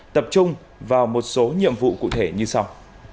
tập trung vào một số nhiệm vụ cụ thể như sau